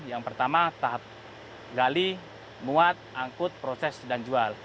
yang pertama tahap gali muat angkut proses dan jual